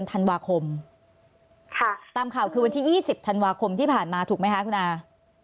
ตามข่าววันที่๒๐ธันวาคมที่ผ่านมาถูกไหมคะคุณอาร์